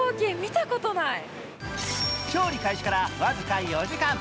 調理開始から僅か４時間。